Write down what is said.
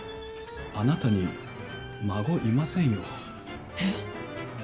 あなたに孫いませんよ？えっ！？